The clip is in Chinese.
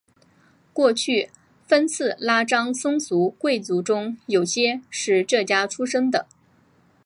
过去分寺拉章僧俗贵族中有些是这家出生的。